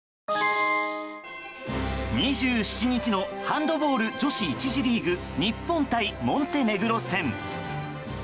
２７日のハンドボール女子１次リーグ日本対モンテネグロ戦。